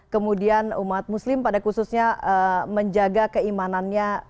kemudian umat muslim pada khususnya menjaga keimanannya